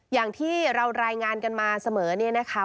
อย่างที่เรารายงานกันมาเสมอเนี่ยนะคะ